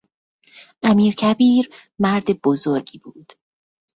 امیرکبیر مرد بزرگی بود.